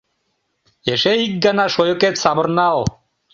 Эше ик гана шойыкет савырнал